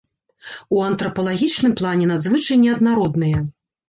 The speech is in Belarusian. У антрапалагічным плане надзвычай неаднародныя.